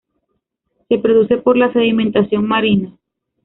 Se produce por la sedimentación marina.